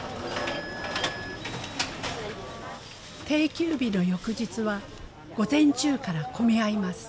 定休日の翌日は午前中から混み合います。